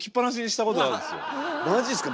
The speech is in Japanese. マジっすか。